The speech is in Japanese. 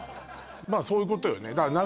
まあそういうことよね